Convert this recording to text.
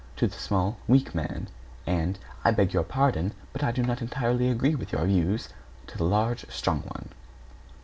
to the small, weak man, and "I beg your pardon, but I do not entirely agree with your views," to the large, strong one.